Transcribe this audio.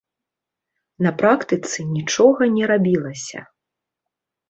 На практыцы нічога не рабілася.